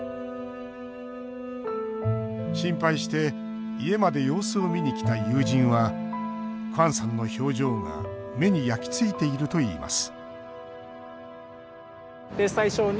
心配して家まで様子を見に来た友人はクアンさんの表情が目に焼きついているといいます